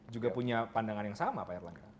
juga punya pandangan yang sama pak erlangga